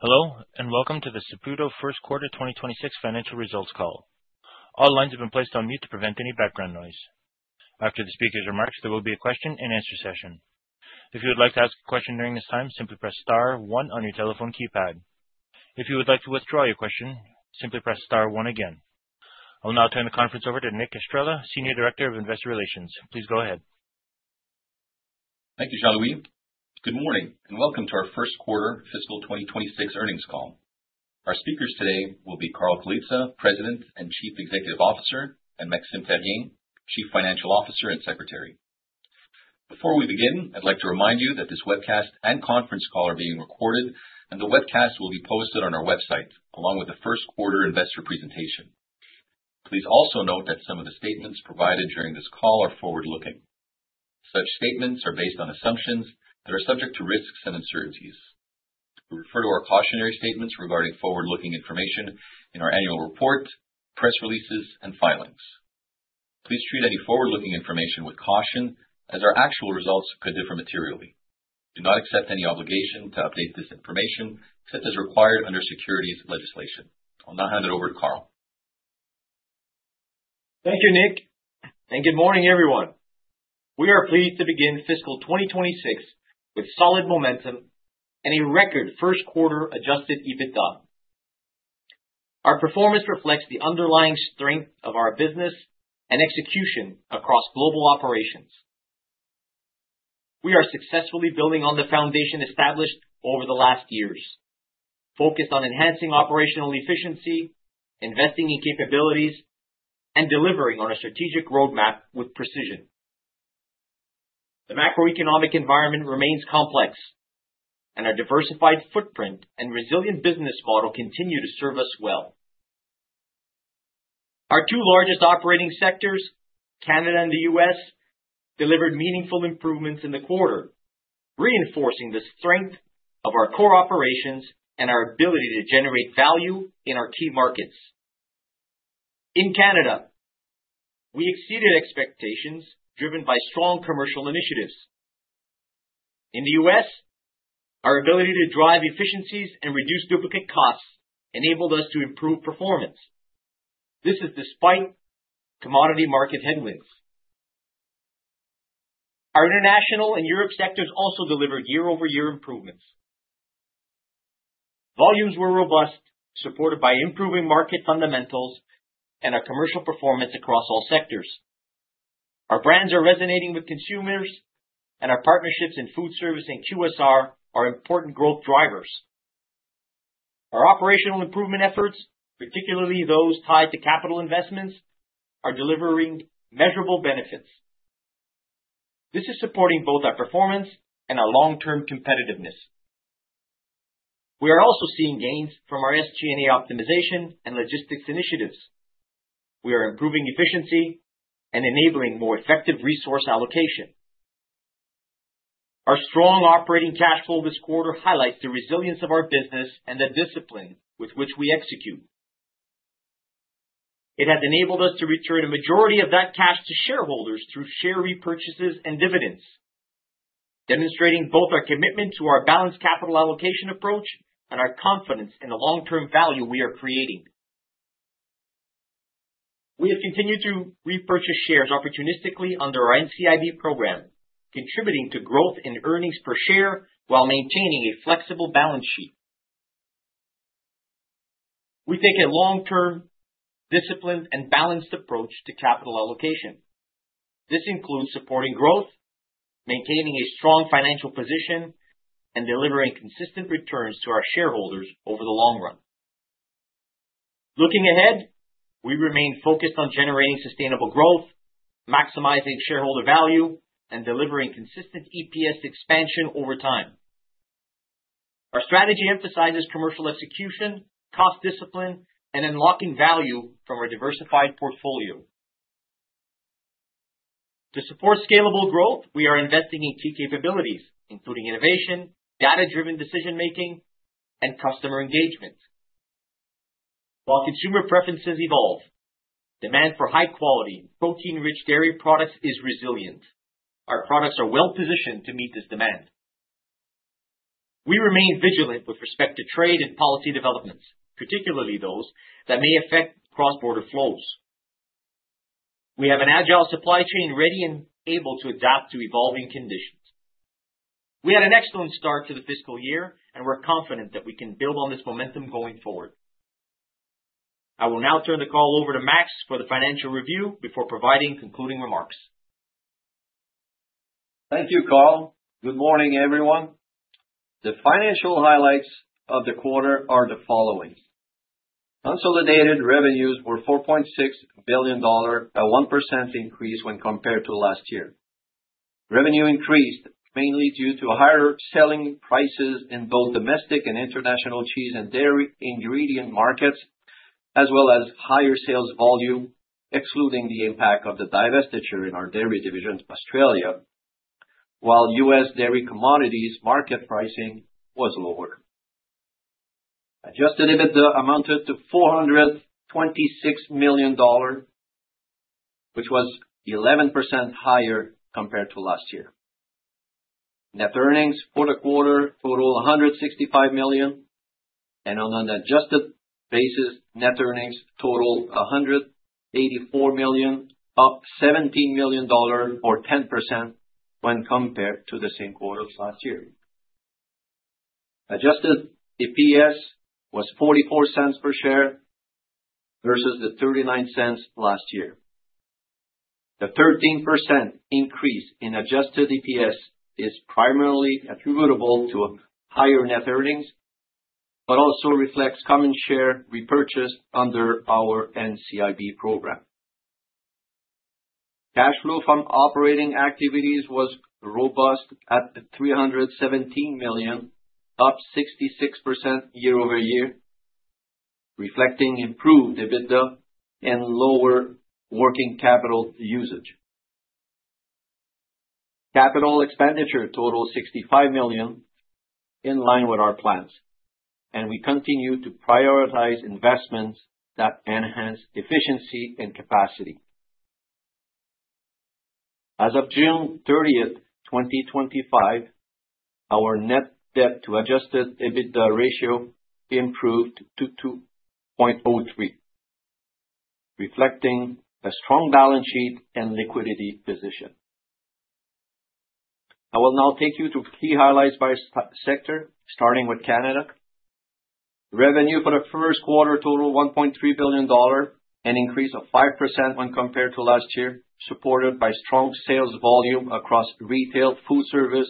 Hello, and welcome to the Saputo First Quarter 2026 Financial Results call. All lines have been placed on mute to prevent any background noise. After the speaker's remarks, there will be a question-and-answer session. If you would like to ask a question during this time, simply press star one on your telephone keypad. If you would like to withdraw your question, simply press star one again. I will now turn the conference over to Nick Estrela, Senior Director of Investor Relations. Please go ahead. Thank you, Jean-Louis. Good morning, and welcome to our First Quarter Fiscal 2026 Earnings call. Our speakers today will be Carl Colizza, President and Chief Executive Officer, and Maxime Therrien, Chief Financial Officer and Secretary. Before we begin, I'd like to remind you that this webcast and conference call are being recorded, and the webcast will be posted on our website, along with the first quarter investor presentation. Please also note that some of the statements provided during this call are forward-looking. Such statements are based on assumptions that are subject to risks and uncertainties. We refer to our cautionary statements regarding forward-looking information in our annual report, press releases, and filings. Please treat any forward-looking information with caution, as our actual results could differ materially. We do not accept any obligation to update this information as required under securities legislation. I'll now hand it over to Carl. Thank you, Nick, and good morning, everyone. We are pleased to begin Fiscal 2026 with solid momentum and a record First Quarter adjusted EBITDA. Our performance reflects the underlying strength of our business and execution across global operations. We are successfully building on the foundation established over the last years, focused on enhancing operational efficiency, investing in capabilities, and delivering on a strategic roadmap with precision. The macroeconomic environment remains complex, and our diversified footprint and resilient business model continue to serve us well. Our two largest operating sectors, Canada and the U.S., delivered meaningful improvements in the quarter, reinforcing the strength of our core operations and our ability to generate value in our key markets. In Canada, we exceeded expectations driven by strong commercial initiatives. In the U.S., our ability to drive efficiencies and reduce duplicate costs enabled us to improve performance. This is despite commodity market headwinds. Our international and Europe sectors also delivered year-over-year improvements. Volumes were robust, supported by improving market fundamentals and our commercial performance across all sectors. Our brands are resonating with consumers, and our partnerships in Foodservice and QSR are important growth drivers. Our operational improvement efforts, particularly those tied to capital investments, are delivering measurable benefits. This is supporting both our performance and our long-term competitiveness. We are also seeing gains from our SG&A optimization and logistics initiatives. We are improving efficiency and enabling more effective resource allocation. Our strong operating cash flow this quarter highlights the resilience of our business and the discipline with which we execute. It has enabled us to return a majority of that cash to shareholders through share repurchases and dividends, demonstrating both our commitment to our balanced capital allocation approach and our confidence in the long-term value we are creating. We have continued to repurchase shares opportunistically under our NCIB program, contributing to growth in earnings per share while maintaining a flexible balance sheet. We take a long-term, disciplined, and balanced approach to capital allocation. This includes supporting growth, maintaining a strong financial position, and delivering consistent returns to our shareholders over the long run. Looking ahead, we remain focused on generating sustainable growth, maximizing shareholder value, and delivering consistent EPS expansion over time. Our strategy emphasizes commercial execution, cost discipline, and unlocking value from our diversified portfolio. To support scalable growth, we are investing in key capabilities, including innovation, data-driven decision-making, and customer engagement. While consumer preferences evolve, demand for high-quality, protein-rich dairy products is resilient. Our products are well-positioned to meet this demand. We remain vigilant with respect to trade and policy developments, particularly those that may affect cross-border flows. We have an agile supply chain ready and able to adapt to evolving conditions. We had an excellent start to the fiscal year, and we're confident that we can build on this momentum going forward. I will now turn the call over to Max for the financial review before providing concluding remarks. Thank you, Carl. Good morning, everyone. The financial highlights of the quarter are the following. Consolidated revenues were $4.6 billion, a 1% increase when compared to last year. Revenue increased mainly due to higher selling prices in both domestic and international cheese and dairy ingredient markets, as well as higher sales volume, excluding the impact of the divestiture in our dairy division, Australia, while U.S. dairy commodities market pricing was lower. Adjusted EBITDA amounted to $426 million, which was 11% higher compared to last year. Net earnings for the quarter totaled $165 million, and on an adjusted basis, net earnings totaled $184 million, up $17 million, or 10% when compared to the same quarter as last year. Adjusted EPS was $0.44 per share versus the $0.39 last year. The 13% increase in adjusted EPS is primarily attributable to higher net earnings, but also reflects common share repurchased under our NCIB program. Cash flow from operating activities was robust at $317 million, up 66% year-over-year, reflecting improved EBITDA and lower working capital usage. Capital expenditure totaled $65 million, in line with our plans, and we continue to prioritize investments that enhance efficiency and capacity. As of June 30th, 2025, our net debt-to-adjusted EBITDA ratio improved to 2.03, reflecting a strong balance sheet and liquidity position. I will now take you to key highlights by sector, starting with Canada. Revenue for the first quarter totaled $1.3 billion, an increase of 5% when compared to last year, supported by strong sales volume across retail, Foodservice,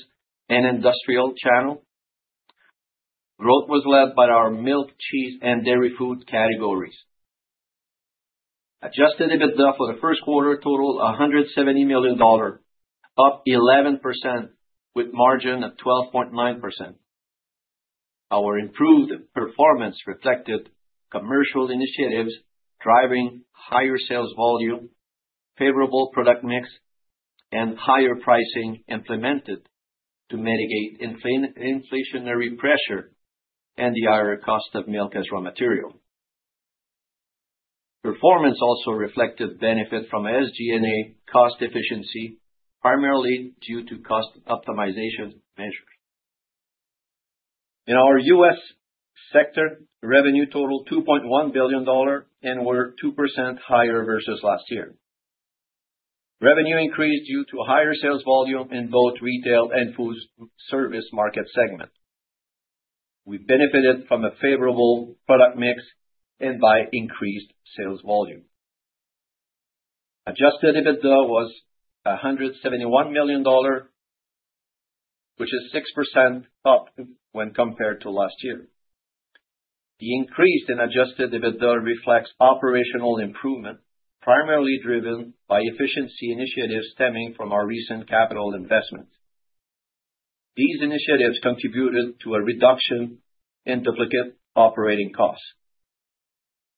and industrial channel. Growth was led by our milk, cheese, and dairy food categories. Adjusted EBITDA for the first quarter totaled $170 million, up 11%, with margin of 12.9%. Our improved performance reflected commercial initiatives driving higher sales volume, favorable product mix, and higher pricing implemented to mitigate inflationary pressure and the higher cost of milk as raw material. Performance also reflected benefit from SG&A cost efficiency, primarily due to cost optimization measures. In our U.S. sector, revenue totaled $2.1 billion, and we're 2% higher versus last year. Revenue increased due to higher sales volume in both retail and Foodservice market segments. We benefited from a favorable product mix and by increased sales volume. Adjusted EBITDA was $171 million, which is 6% up when compared to last year. The increase in adjusted EBITDA reflects operational improvement, primarily driven by efficiency initiatives stemming from our recent capital investments. These initiatives contributed to a reduction in duplicate operating costs.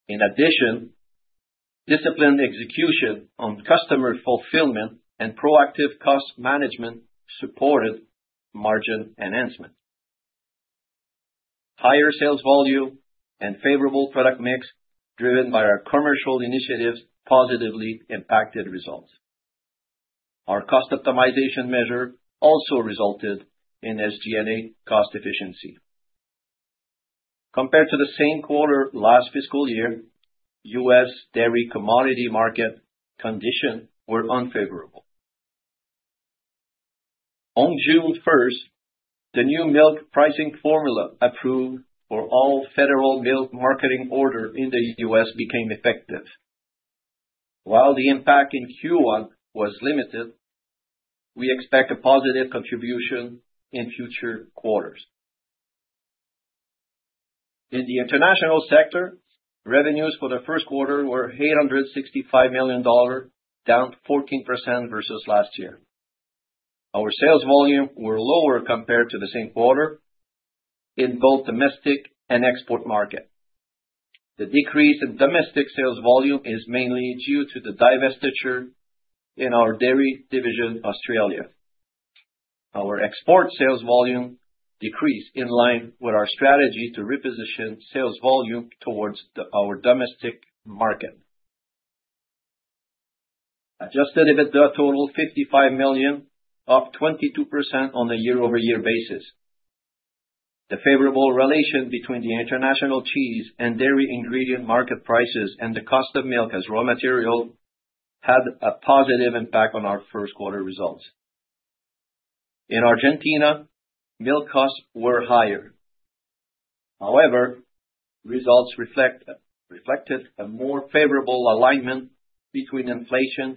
In addition, disciplined execution on customer fulfillment and proactive cost management supported margin enhancement. Higher sales volume and favorable product mix, driven by our commercial initiatives, positively impacted results. Our cost optimization measure also resulted in SG&A cost efficiency. Compared to the same quarter last fiscal year, U.S. dairy commodity market conditions were unfavorable. On June 1st, the new milk pricing formula approved for all Federal Milk Marketing Orders in the U.S. became effective. While the impact in Q1 was limited, we expect a positive contribution in future quarters. In the international sector, revenues for the first quarter were $865 million, down 14% versus last year. Our sales volumes were lower compared to the same quarter in both domestic and export markets. The decrease in domestic sales volume is mainly due to the divestiture in our dairy division, Australia. Our export sales volume decreased in line with our strategy to reposition sales volume towards our domestic market. Adjusted EBITDA totaled $55 million, up 22% on a year-over-year basis. The favorable relation between the international cheese and dairy ingredient market prices and the cost of milk as raw material had a positive impact on our first quarter results. In Argentina, milk costs were higher. However, results reflected a more favorable alignment between inflation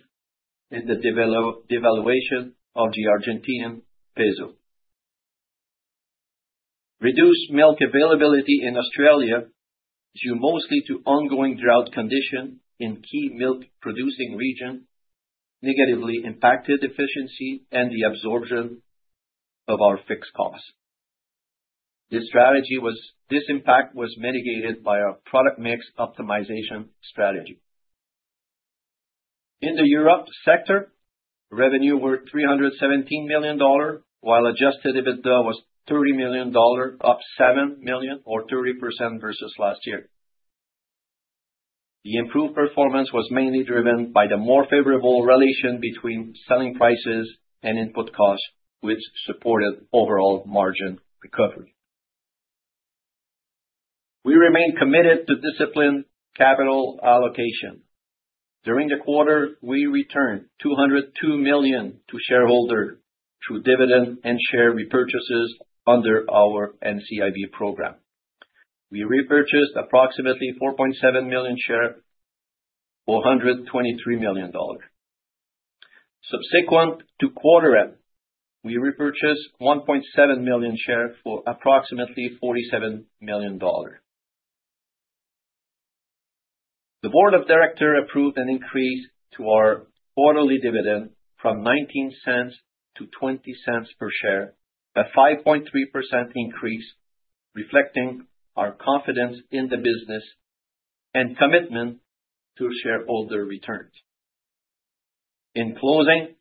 and the devaluation of the Argentine peso. Reduced milk availability in Australia due mostly to ongoing drought conditions in key milk-producing regions negatively impacted efficiency and the absorption of our fixed costs. This impact was mitigated by our product mix optimization strategy. In the Europe sector, revenues were $317 million, while adjusted EBITDA was $30 million, up $7 million or 30% versus last year. The improved performance was mainly driven by the more favorable relation between selling prices and input costs, which supported overall margin recovery. We remained committed to disciplined capital allocation. During the quarter, we returned $202 million to shareholders through dividends and share repurchases under our NCIB program. We repurchased approximately 4.7 million shares for $123 million. Subsequent to quarter-end, we repurchased 1.7 million shares for approximately $47 million. The board of directors approved an increase to our quarterly dividend from $0.19-$0.20 per share, a 5.3% increase, reflecting our confidence in the business and commitment to shareholder returns. In closing,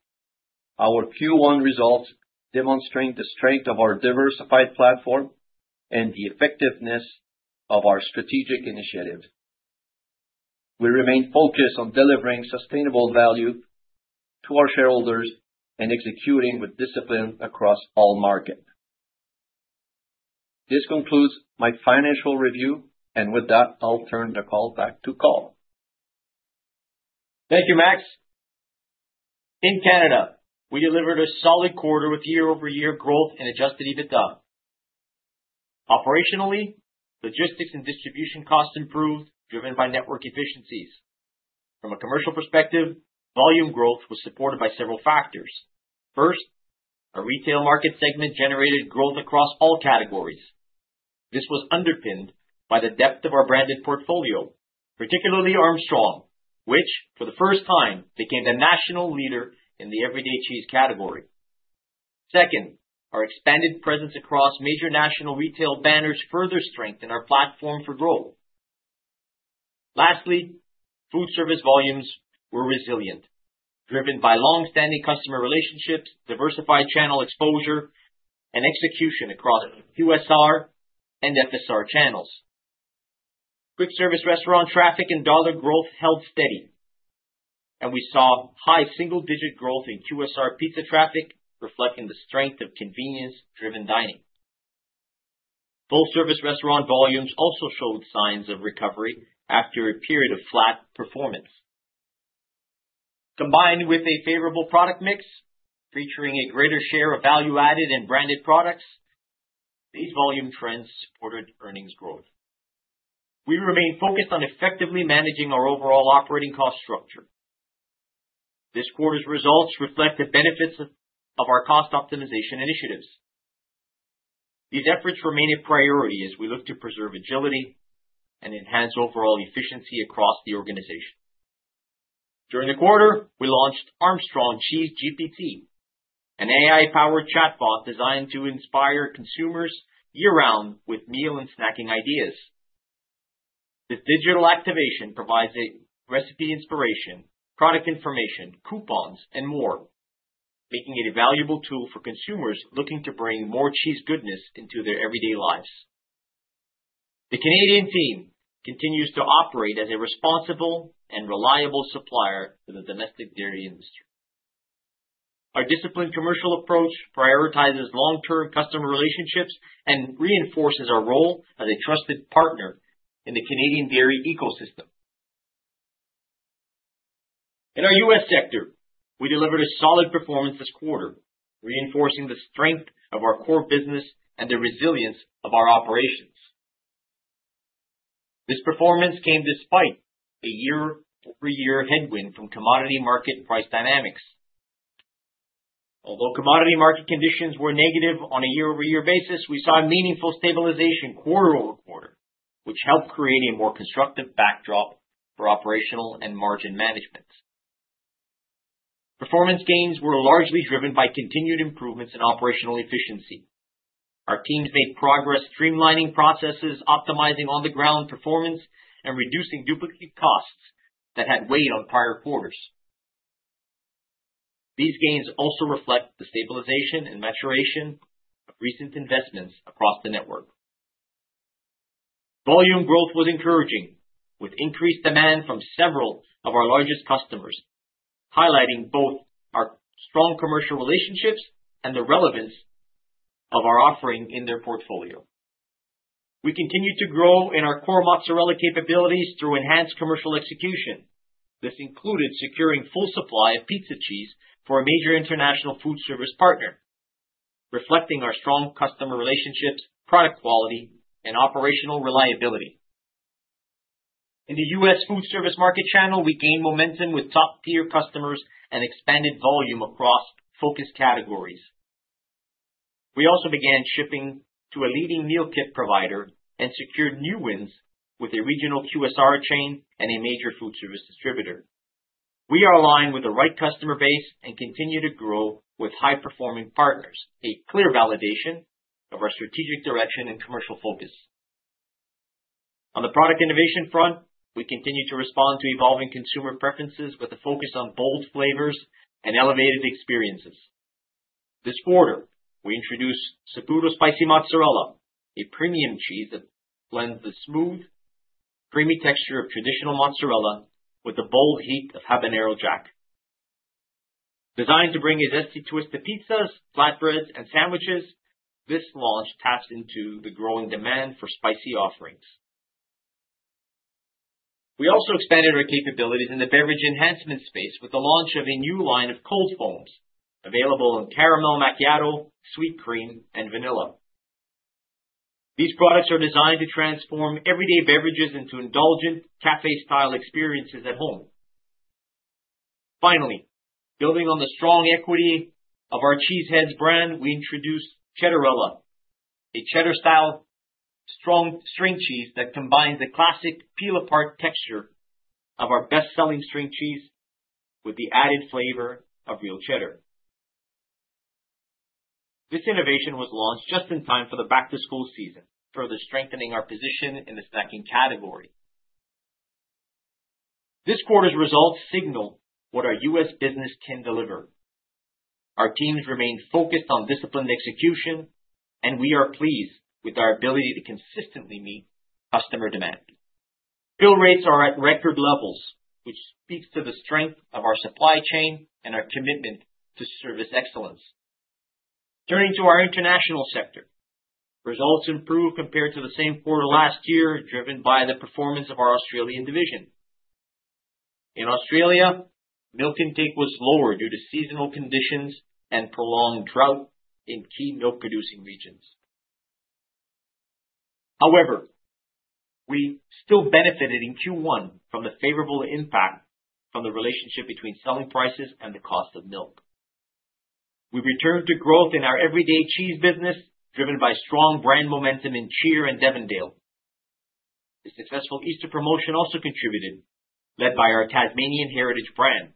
our Q1 results demonstrate the strength of our diversified platform and the effectiveness of our strategic initiatives. We remain focused on delivering sustainable value to our shareholders and executing with discipline across all markets. This concludes my financial review, and with that, I'll turn the call back to Carl. Thank you, Max. In Canada, we delivered a solid quarter with year-over-year growth and adjusted EBITDA. Operationally, logistics and distribution costs improved, driven by network efficiencies. From a commercial perspective, volume growth was supported by several factors. First, our retail market segment generated growth across all categories. This was underpinned by the depth of our branded portfolio, particularly Armstrong, which for the first time became the national leader in the everyday cheese category. Second, our expanded presence across major national retail banners further strengthened our platform for growth. Lastly, Foodservice volumes were resilient, driven by long-standing customer relationships, diversified channel exposure, and execution across QSR and FSR channels. Quick service restaurant traffic and dollar growth held steady, and we saw high single-digit growth in QSR pizza traffic, reflecting the strength of convenience-driven dining. Full-service restaurant volumes also showed signs of recovery after a period of flat performance. Combined with a favorable product mix, featuring a greater share of value-added and branded products, these volume trends supported earnings growth. We remain focused on effectively managing our overall operating cost structure. This quarter's results reflect the benefits of our cost optimization initiatives. These efforts remain a priority as we look to preserve agility and enhance overall efficiency across the organization. During the quarter, we launched Armstrong Cheese GPT, an AI-powered chatbot designed to inspire consumers year-round with meal and snacking ideas. This digital activation provides recipe inspiration, product information, coupons, and more, making it a valuable tool for consumers looking to bring more cheese goodness into their everyday lives. The Canadian team continues to operate as a responsible and reliable supplier to the domestic dairy industry. Our disciplined commercial approach prioritizes long-term customer relationships and reinforces our role as a trusted partner in the Canadian dairy ecosystem. In our U.S. sector, we delivered a solid performance this quarter, reinforcing the strength of our core business and the resilience of our operations. This performance came despite a year-over-year headwind from commodity market price dynamics. Although commodity market conditions were negative on a year-over-year basis, we saw meaningful stabilization quarter over quarter, which helped create a more constructive backdrop for operational and margin management. Performance gains were largely driven by continued improvements in operational efficiency. Our teams made progress streamlining processes, optimizing on-the-ground performance, and reducing duplicate costs that had weighed on prior quarters. These gains also reflect the stabilization and maturation of recent investments across the network. Volume growth was encouraging, with increased demand from several of our largest customers, highlighting both our strong commercial relationships and the relevance of our offering in their portfolio. We continued to grow in our core mozzarella capabilities through enhanced commercial execution. This included securing full supply of pizza cheese for a major international Foodservice partner, reflecting our strong customer relationships, product quality, and operational reliability. In the U.S. Foodservice market channel, we gained momentum with top-tier customers and expanded volume across focus categories. We also began shipping to a leading meal kit provider and secured new wins with a regional QSR chain and a major Foodservice distributor. We are aligned with the right customer base and continue to grow with high-performing partners, a clear validation of our strategic direction and commercial focus. On the product innovation front, we continue to respond to evolving consumer preferences with a focus on bold flavors and elevated experiences. This quarter, we introduced Saputo Spicy Mozzarella, a premium cheese that blends the smooth, creamy texture of traditional mozzarella with the bold heat of habanero jack. Designed to bring a zesty twist to pizzas, flatbreads, and sandwiches, this launch tapped into the growing demand for spicy offerings. We also expanded our capabilities in the beverage enhancement space with the launch of a new line of cold foams, available in caramel, macchiato, sweet cream, and vanilla. These products are designed to transform everyday beverages into indulgent, café-style experiences at home. Finally, building on the strong equity of our Cheese Heads brand, we introduced Cheddarella, a cheddar-style strong string cheese that combines the classic peel-apart texture of our best-selling string cheese with the added flavor of real cheddar. This innovation was launched just in time for the back-to-school season, further strengthening our position in the snacking category. This quarter's results signal what our U.S. business can deliver. Our teams remain focused on disciplined execution, and we are pleased with our ability to consistently meet customer demand. Fill rates are at record levels, which speaks to the strength of our supply chain and our commitment to service excellence. Turning to our international sector, results improved compared to the same quarter last year, driven by the performance of our Australian division. In Australia, milk intake was lower due to seasonal conditions and prolonged drought in key milk-producing regions. However, we still benefited in Q1 from the favorable impact from the relationship between selling prices and the cost of milk. We returned to growth in our everyday cheese business, driven by strong brand momentum in Cheer and Devondale. The successful Easter promotion also contributed, led by our Tasmanian Heritage brand.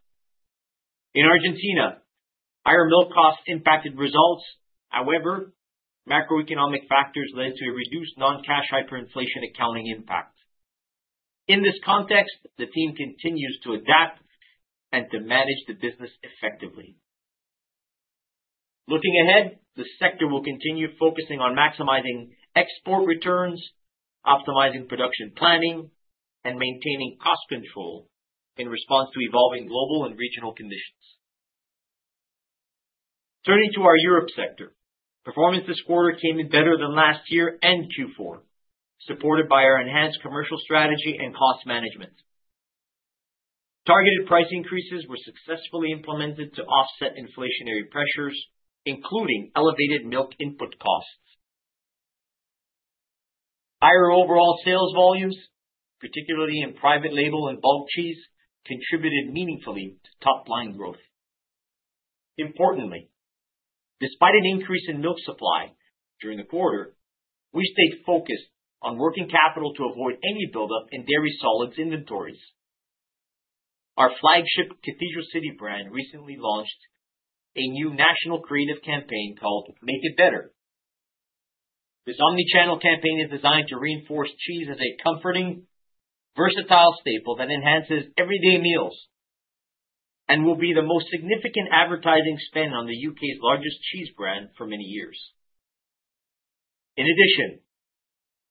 In Argentina, higher milk costs impacted results. However, macroeconomic factors led to a reduced non-cash hyperinflation accounting impact. In this context, the team continues to adapt and to manage the business effectively. Looking ahead, the sector will continue focusing on maximizing export returns, optimizing production planning, and maintaining cost control in response to evolving global and regional conditions. Turning to our Europe sector, performance this quarter came in better than last year and Q4, supported by our enhanced commercial strategy and cost management. Targeted price increases were successfully implemented to offset inflationary pressures, including elevated milk input costs. Higher overall sales volumes, particularly in private label and bulk cheese, contributed meaningfully to top-line growth. Importantly, despite an increase in milk supply during the quarter, we stayed focused on working capital to avoid any buildup in dairy solids inventories. Our flagship Cathedral City brand recently launched a new national creative campaign called Make It Better. This omnichannel campaign is designed to reinforce cheese as a comforting, versatile staple that enhances everyday meals and will be the most significant advertising spend on the U.K.'s largest cheese brand for many years. In addition,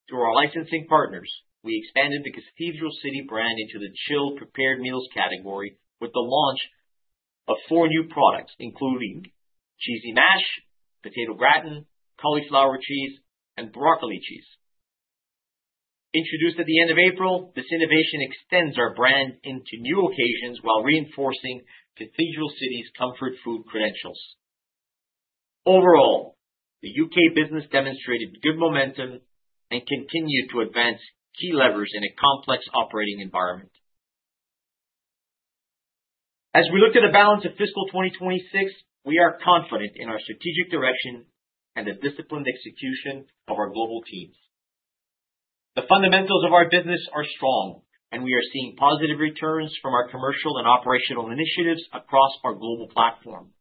through our licensing partners, we expanded the Cathedral City brand into the chilled prepared meals category with the launch of four new products, including Cheesy Mash, Potato Gratin, Cauliflower Cheese, and Broccoli Cheese. Introduced at the end of April, this innovation extends our brand into new occasions while reinforcing Cathedral City's comfort food credentials. Overall, the U.K. business demonstrated good momentum and continued to advance key levers in a complex operating environment. As we look to the balance of fiscal 2026, we are confident in our strategic direction and the disciplined execution of our global teams. The fundamentals of our business are strong, and we are seeing positive returns from our commercial and operational initiatives across our global platform.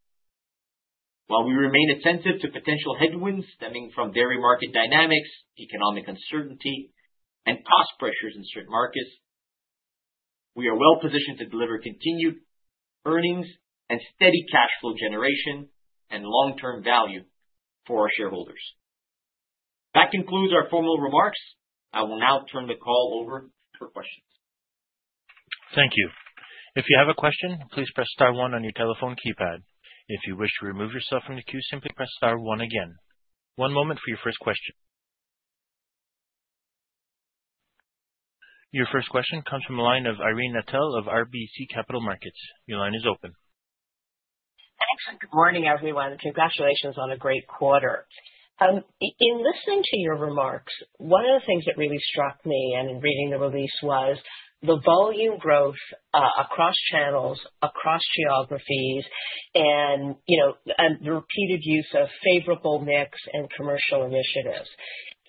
While we remain attentive to potential headwinds stemming from dairy market dynamics, economic uncertainty, and cost pressures in certain markets, we are well positioned to deliver continued earnings and steady cash flow generation and long-term value for our shareholders. That concludes our formal remarks. I will now turn the call over for questions. Thank you. If you have a question, please press star one on your telephone keypad. If you wish to remove yourself from the queue, simply press star one again. One moment for your first question. Your first question comes from the line of Irene Nattel of RBC Capital Markets. Your line is open. Excellent. Good morning, everyone. Congratulations on a great quarter. In listening to your remarks, one of the things that really struck me in reading the release was the volume growth across channels, across geographies, and the repeated use of favorable mix and commercial initiatives.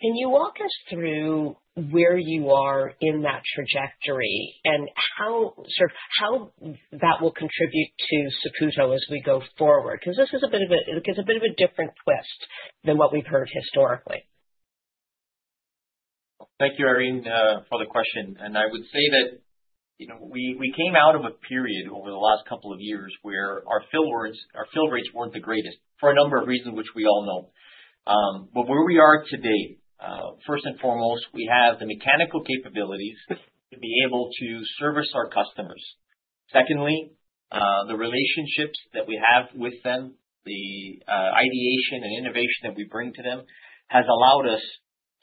Can you walk us through where you are in that trajectory and how that will contribute to Saputo as we go forward? Because this is a bit of a different twist than what we've heard historically. Thank you, Irene, for the question, and I would say that we came out of a period over the last couple of years where our fill rates weren't the greatest for a number of reasons which we all know, but where we are today, first and foremost, we have the mechanical capabilities to be able to service our customers. Secondly, the relationships that we have with them, the ideation and innovation that we bring to them has allowed us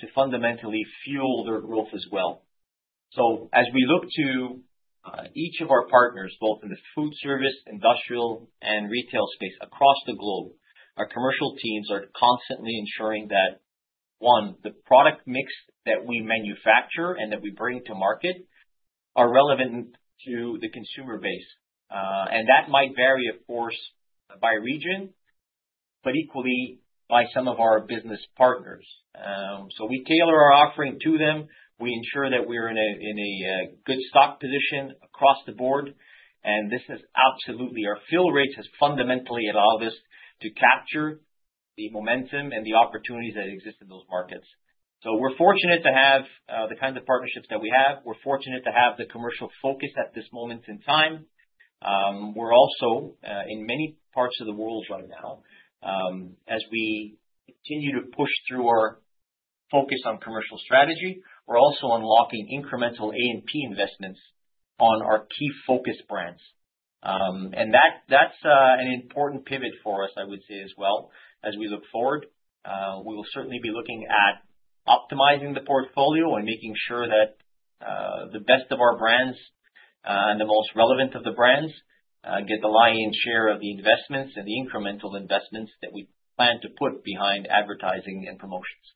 to fundamentally fuel their growth as well, so as we look to each of our partners, both in the Foodservice, industrial, and retail space across the globe, our commercial teams are constantly ensuring that, one, the product mix that we manufacture and that we bring to market are relevant to the consumer base, and that might vary, of course, by region, but equally by some of our business partners, so we tailor our offering to them. We ensure that we're in a good stock position across the board, and this has absolutely, our fill rates have fundamentally allowed us to capture the momentum and the opportunities that exist in those markets, so we're fortunate to have the kinds of partnerships that we have. We're fortunate to have the commercial focus at this moment in time. We're also in many parts of the world right now. As we continue to push through our focus on commercial strategy, we're also unlocking incremental A&P investments on our key focus brands. And that's an important pivot for us, I would say, as well. As we look forward, we will certainly be looking at optimizing the portfolio and making sure that the best of our brands and the most relevant of the brands get the lion's share of the investments and the incremental investments that we plan to put behind Advertising and Promotions.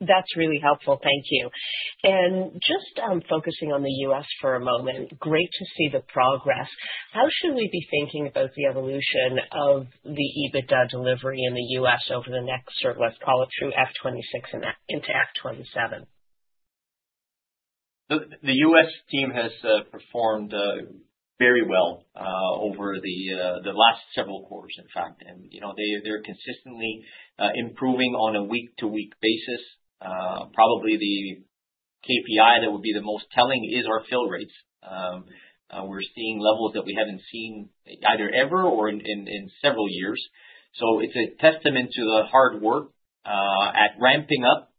That's really helpful. Thank you. And just focusing on the U.S. for a moment, great to see the progress. How should we be thinking about the evolution of the EBITDA delivery in the U.S. over the next, let's call it, through F26 into F27? The U.S. team has performed very well over the last several quarters, in fact, and they're consistently improving on a week-to-week basis. Probably the KPI that would be the most telling is our fill rates. We're seeing levels that we haven't seen either ever or in several years, so it's a testament to the hard work at ramping up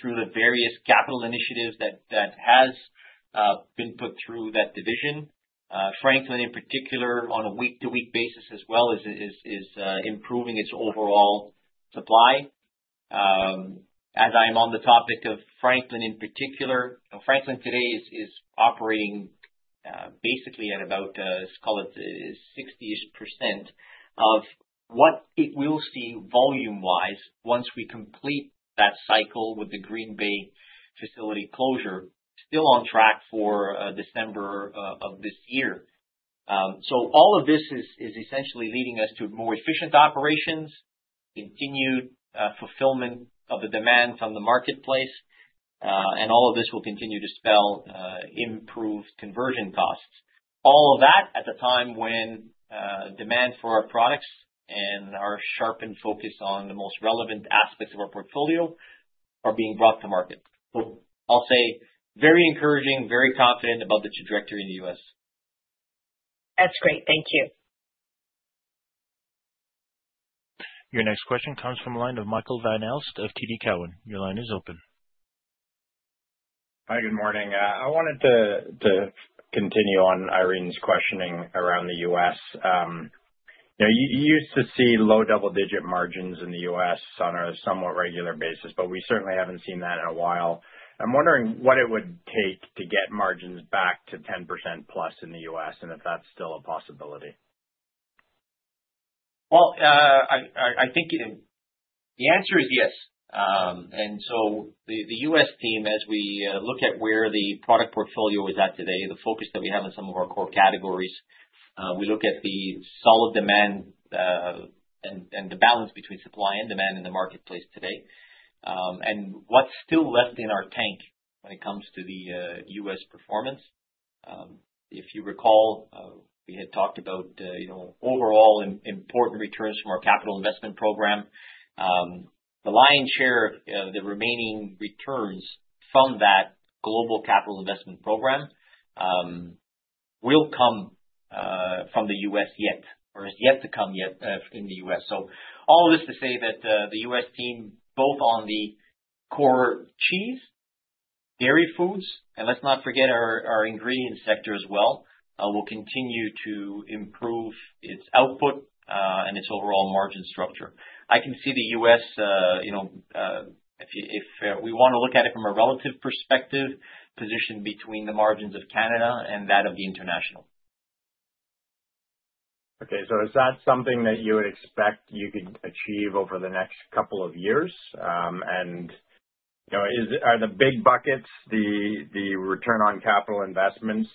through the various capital initiatives that have been put through that division. Franklin, in particular, on a week-to-week basis as well, is improving its overall supply. As I'm on the topic of Franklin, in particular, Franklin today is operating basically at about, let's call it, 60-ish% of what it will see volume-wise once we complete that cycle with the Green Bay facility closure, still on track for December of this year. So all of this is essentially leading us to more efficient operations, continued fulfillment of the demand from the marketplace, and all of this will continue to spell improved conversion costs. All of that at a time when demand for our products and our sharpened focus on the most relevant aspects of our portfolio are being brought to market. So I'll say very encouraging, very confident about the trajectory in the U.S. That's great. Thank you. Your next question comes from the line of Michael Van Aelst of TD Cowen. Your line is open. Hi, good morning. I wanted to continue on Irene's questioning around the U.S. You used to see low double-digit margins in the U.S. on a somewhat regular basis, but we certainly haven't seen that in a while. I'm wondering what it would take to get margins back to 10%+ in the U.S. And if that's still a possibility. Well, I think the answer is yes. And so the U.S. team, as we look at where the product portfolio is at today, the focus that we have on some of our core categories, we look at the solid demand and the balance between supply and demand in the marketplace today and what's still left in our tank when it comes to the U.S. performance. If you recall, we had talked about overall important returns from our capital investment program. The lion's share of the remaining returns from that global capital investment program will come from the U.S. yet or is yet to come yet in the U.S. So all of this to say that the U.S. team, both on the core cheese, dairy foods, and let's not forget our ingredient sector as well, will continue to improve its output and its overall margin structure. I can see the U.S., if we want to look at it from a relative perspective, positioned between the margins of Canada and that of the international. Okay. So is that something that you would expect you could achieve over the next couple of years? And are the big buckets, the return on capital investments,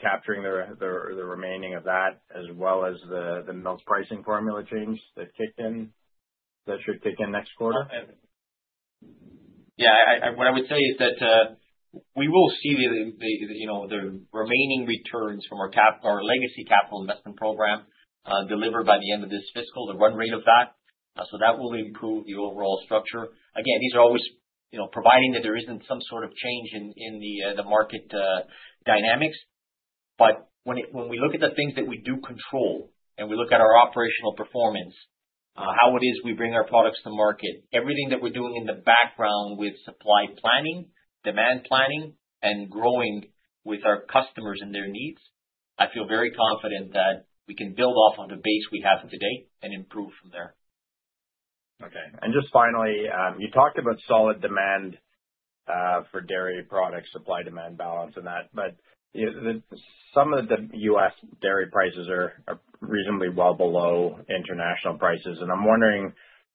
capturing the remaining of that, as well as the milk pricing formula change that should kick in next quarter? Yeah. What I would say is that we will see the remaining returns from our legacy capital investment program delivered by the end of this fiscal, the run rate of that. So that will improve the overall structure. Again, these are always providing that there isn't some sort of change in the market dynamics. But when we look at the things that we do control and we look at our operational performance, how it is we bring our products to market, everything that we're doing in the background with supply planning, demand planning, and growing with our customers and their needs, I feel very confident that we can build off of the base we have today and improve from there. Okay. And just finally, you talked about solid demand for dairy products, supply demand balance, and that. But some of the U.S. dairy prices are reasonably well below international prices. And I'm wondering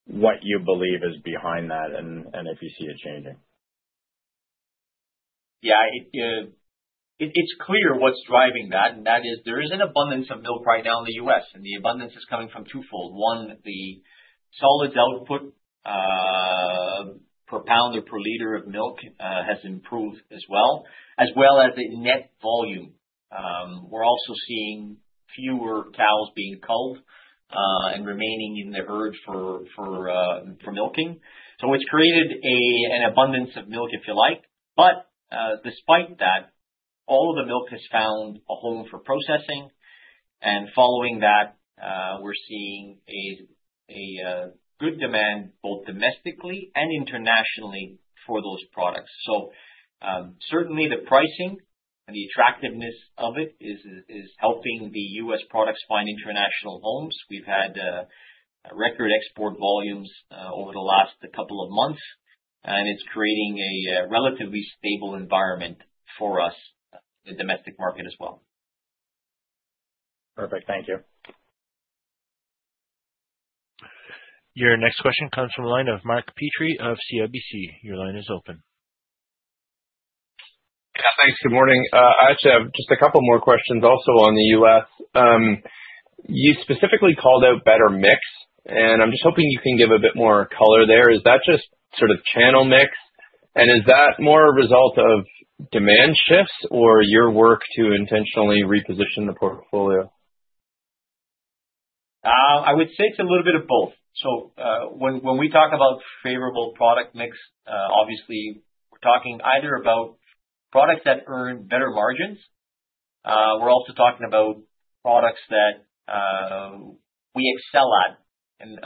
what you believe is behind that and if you see it changing. Yeah. It's clear what's driving that. And that is there is an abundance of milk right now in the U.S. The abundance is coming from twofold. One, the solid output per pound or per liter of milk has improved as well, as well as the net volume. We're also seeing fewer cows being culled and remaining in the herd for milking. So it's created an abundance of milk, if you like. But despite that, all of the milk has found a home for processing. And following that, we're seeing a good demand both domestically and internationally for those products. So certainly, the pricing and the attractiveness of it is helping the U.S. products find international homes. We've had record export volumes over the last couple of months. And it's creating a relatively stable environment for us in the domestic market as well. Perfect. Thank you. Your next question comes from the line of Mark Petrie of CIBC. Your line is open. Yeah. Thanks. Good morning. I actually have just a couple more questions also on the U.S. You specifically called out better mix, and I'm just hoping you can give a bit more color there. Is that just sort of channel mix? And is that more a result of demand shifts or your work to intentionally reposition the portfolio? I would say it's a little bit of both, so when we talk about favorable product mix, obviously, we're talking either about products that earn better margins. We're also talking about products that we excel at in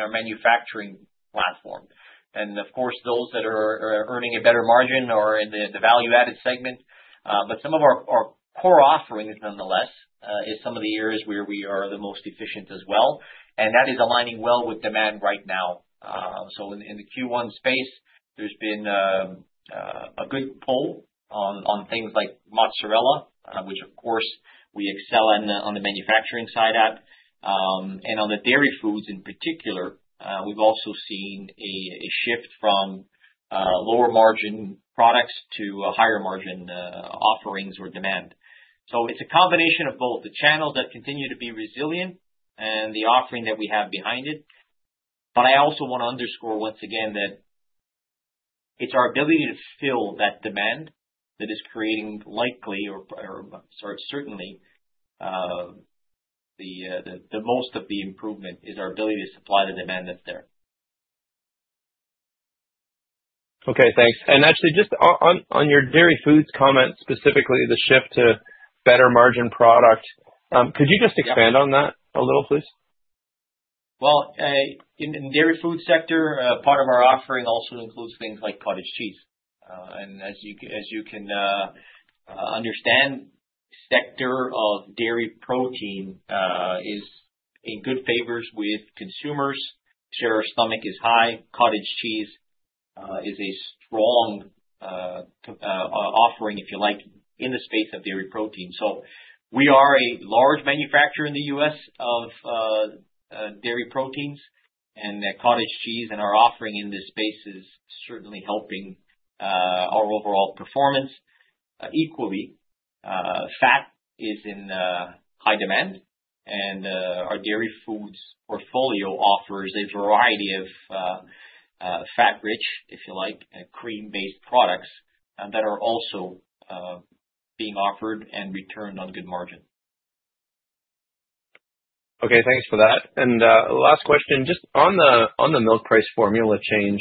our manufacturing platform, and of course, those that are earning a better margin are in the value-added segment, but some of our core offerings, nonetheless, is some of the areas where we are the most efficient as well, and that is aligning well with demand right now. So in the Q1 space, there's been a good pull on things like Mozzarella, which, of course, we excel on the manufacturing side at. And on the dairy foods in particular, we've also seen a shift from lower margin products to higher margin offerings or demand. So it's a combination of both the channels that continue to be resilient and the offering that we have behind it. But I also want to underscore once again that it's our ability to fill that demand that is creating likely or certainly the most of the improvement is our ability to supply the demand that's there. Okay. Thanks. And actually, just on your dairy foods comment, specifically the shift to better margin product, could you just expand on that a little, please? Well, in the dairy food sector, part of our offering also includes things like cottage cheese. And as you can understand, the sector of dairy protein is in good favor with consumers. Share of stomach is high. Cottage cheese is a strong offering, if you like, in the space of dairy protein. So we are a large manufacturer in the U.S. of dairy proteins. And cottage cheese and our offering in this space is certainly helping our overall performance. Equally, fat is in high demand. And our dairy foods portfolio offers a variety of fat-rich, if you like, cream-based products that are also being offered and returned on good margin. Okay. Thanks for that. And last question. Just on the milk price formula change,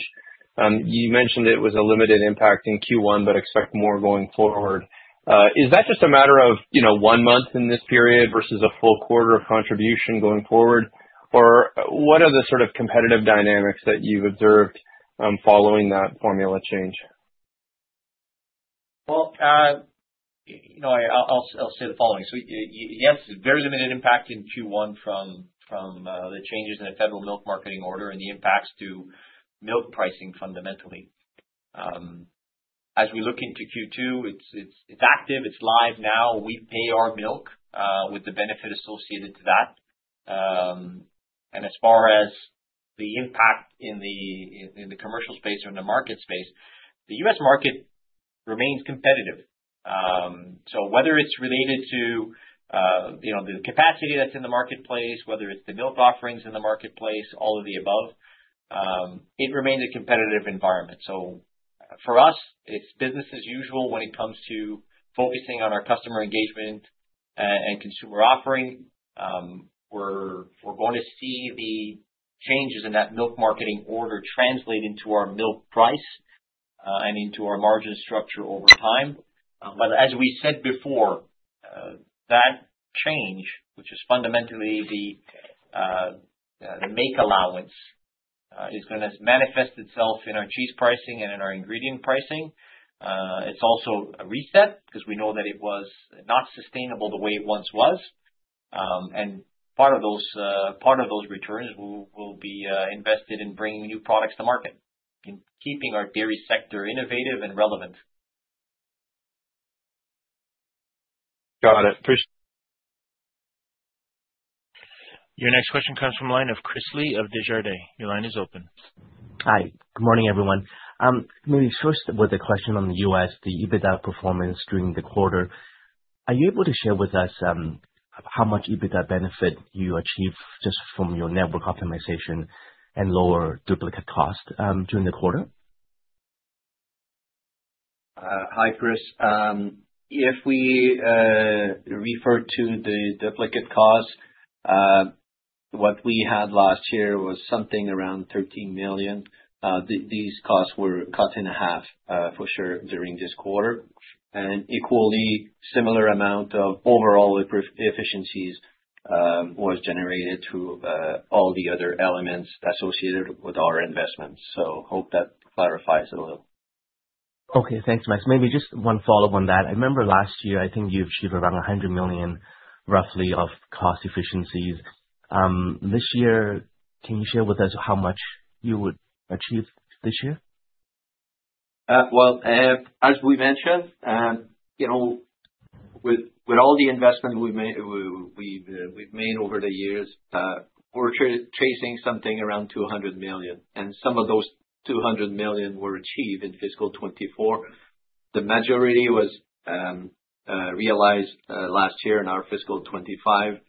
you mentioned it was a limited impact in Q1, but expect more going forward. Is that just a matter of one month in this period versus a full quarter of contribution going forward? Or what are the sort of competitive dynamics that you've observed following that formula change? Well, I'll say the following. So yes, very limited impact in Q1 from the changes in the Federal Milk Marketing Order and the impacts to milk pricing fundamentally. As we look into Q2, it's active. It's live now. We pay our milk with the benefit associated to that. And as far as the impact in the commercial space or in the market space, the U.S. market remains competitive. So whether it's related to the capacity that's in the marketplace, whether it's the milk offerings in the marketplace, all of the above, it remains a competitive environment. So for us, it's business as usual when it comes to focusing on our customer engagement and consumer offering. We're going to see the changes in that milk marketing order translate into our milk price and into our margin structure over time. But as we said before, that change, which is fundamentally the make allowance, is going to manifest itself in our cheese pricing and in our ingredient pricing. It's also a reset because we know that it was not sustainable the way it once was. And part of those returns will be invested in bringing new products to market and keeping our dairy sector innovative and relevant. Got it. Appreciate it. Your next question comes from the line of Chris Li of Desjardins. Your line is open. Hi. Good morning, everyone. Moving first with the question on the U.S., the EBITDA performance during the quarter, are you able to share with us how much EBITDA benefit you achieved just from your network optimization and lower duplicate cost during the quarter? Hi, Chris. If we refer to the duplicate costs, what we had last year was something around $13 million. These costs were cut in half for sure during this quarter. And equally, a similar amount of overall efficiencies was generated through all the other elements associated with our investments. So hope that clarifies it a little. Okay. Thanks, Max. Maybe just one follow-up on that. I remember last year, I think you achieved around $100 million, roughly, of cost efficiencies. This year, can you share with us how much you would achieve this year? As we mentioned, with all the investment we've made over the years, we're chasing something around $200 million. And some of those $200 million were achieved in fiscal 2024. The majority was realized last year in our fiscal 2025.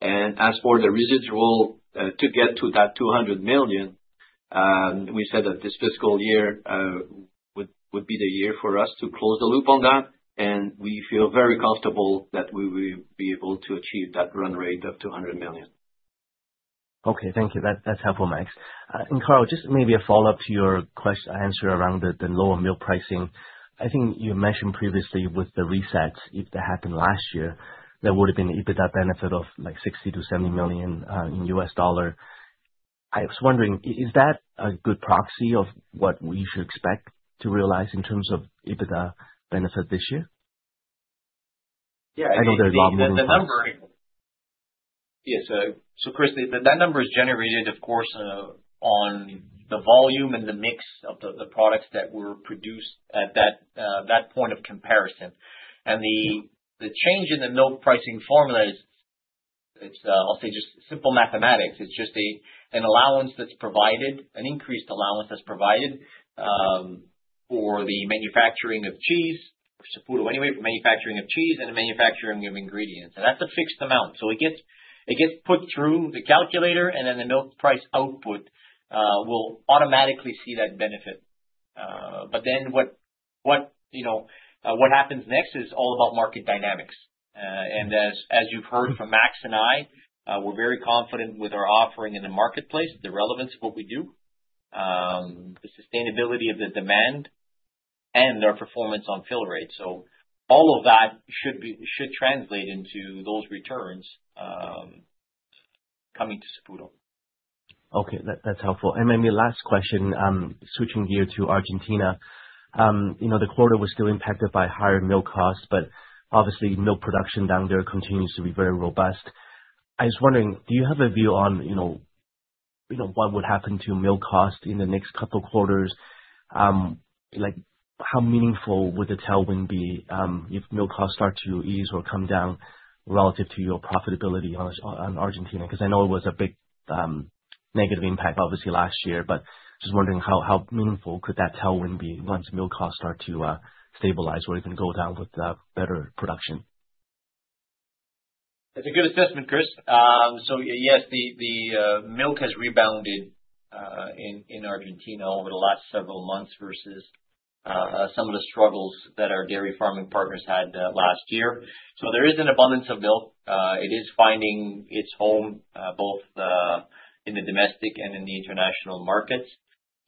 And as for the residual to get to that $200 million, we said that this fiscal year would be the year for us to close the loop on that. And we feel very comfortable that we will be able to achieve that run rate of $200 million. Okay. Thank you. That's helpful, Max. And Carl, just maybe a follow-up to your answer around the lower milk pricing. I think you mentioned previously with the reset, if that happened last year, there would have been an EBITDA benefit of like $60 million-$70 million in U.S. dollars. I was wondering, is that a good proxy of what we should expect to realize in terms of EBITDA benefit this year? Yeah. I know there's a lot moving forward. Yeah. So Chris, that number is generated, of course, on the volume and the mix of the products that were produced at that point of comparison. And the change in the milk pricing formula is, I'll say, just simple mathematics. It's just an allowance that's provided, an increased allowance that's provided for the manufacturing of cheese, or support of anyway, for manufacturing of cheese and manufacturing of ingredients. And that's a fixed amount. So it gets put through the calculator, and then the milk price output will automatically see that benefit. But then what happens next is all about market dynamics. As you've heard from Max and I, we're very confident with our offering in the marketplace, the relevance of what we do, the sustainability of the demand, and our performance on fill rate. So all of that should translate into those returns coming to Saputo. Okay. That's helpful. And maybe last question, switching gears to Argentina. The quarter was still impacted by higher milk costs, but obviously, milk production down there continues to be very robust. I was wondering, do you have a view on what would happen to milk costs in the next couple of quarters? How meaningful would the tailwind be if milk costs start to ease or come down relative to your profitability on Argentina? Because I know it was a big negative impact, obviously, last year. But just wondering how meaningful could that tailwind be once milk costs start to stabilize or even go down with better production? That's a good assessment, Chris. So yes, the milk has rebounded in Argentina over the last several months versus some of the struggles that our dairy farming partners had last year. So there is an abundance of milk. It is finding its home both in the domestic and in the international markets.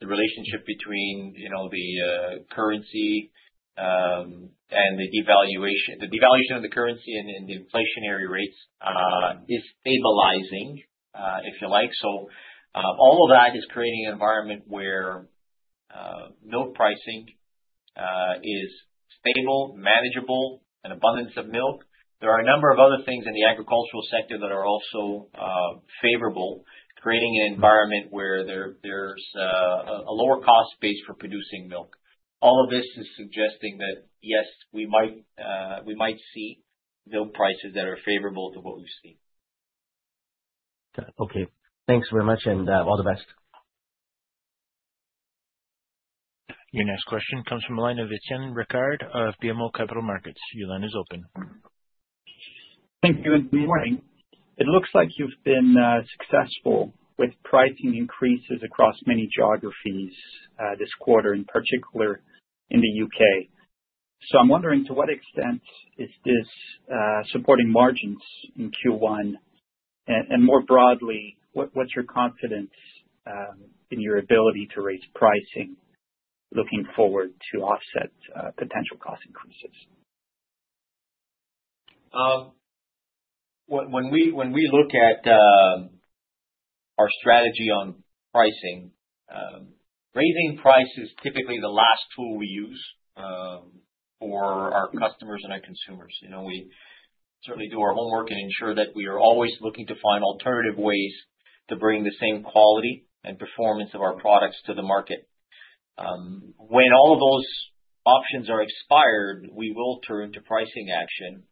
The relationship between the currency and the devaluation of the currency and the inflationary rates is stabilizing, if you like. So all of that is creating an environment where milk pricing is stable, manageable, an abundance of milk. There are a number of other things in the agricultural sector that are also favorable, creating an environment where there's a lower cost base for producing milk. All of this is suggesting that, yes, we might see milk prices that are favorable to what we've seen. Okay. Thanks very much and all the best. Your next question comes from the line of Étienne Ricard of BMO Capital Markets. Your line is open. Thank you. Good morning. It looks like you've been successful with pricing increases across many geographies this quarter, in particular in the U.K. So I'm wondering, to what extent is this supporting margins in Q1? And more broadly, what's your confidence in your ability to raise pricing looking forward to offset potential cost increases? When we look at our strategy on pricing, raising price is typically the last tool we use for our customers and our consumers. We certainly do our homework and ensure that we are always looking to find alternative ways to bring the same quality and performance of our products to the market. When all of those options are expired, we will turn to pricing action,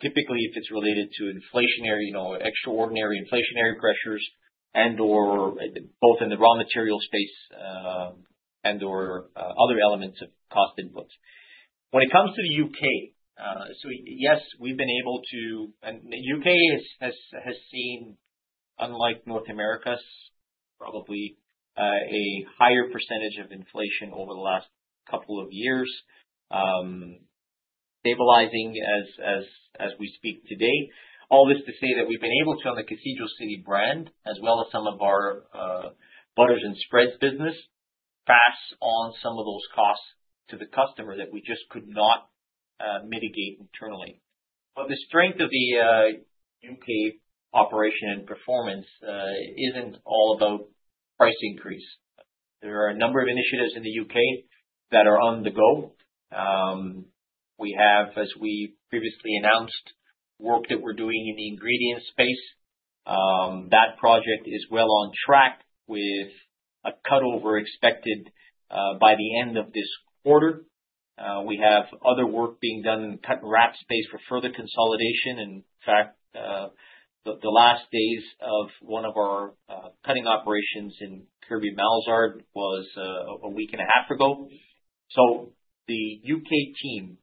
typically if it's related to extraordinary inflationary pressures and/or both in the raw material space and/or other elements of cost inputs. When it comes to the U.K., so yes, we've been able to, and the U.K. has seen, unlike North America's, probably a higher percentage of inflation over the last couple of years, stabilizing as we speak today. All this to say that we've been able to, on the Cathedral City brand, as well as some of our butters and spreads business, pass on some of those costs to the customer that we just could not mitigate internally. But the strength of the U.K. operation and performance isn't all about price increase. There are a number of initiatives in the U.K. that are on the go. We have, as we previously announced, work that we're doing in the ingredients space. That project is well on track with a cutover expected by the end of this quarter. We have other work being done in the cut and wrap space for further consolidation. In fact, the last days of one of our cutting operations in Kirkby Malzeard was a week and a half ago. So the U.K. team,